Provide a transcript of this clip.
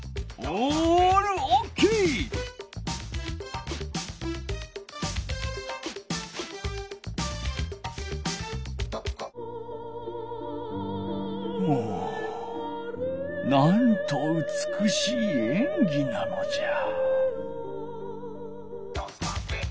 おおなんとうつくしいえんぎなのじゃ。